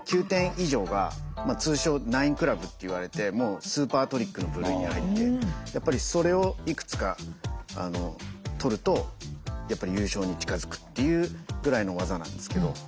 ９点以上が通称ナインクラブって言われてスーパートリックの部類に入ってやっぱりそれをいくつか取るとやっぱり優勝に近づくっていうぐらいの技なんですけど。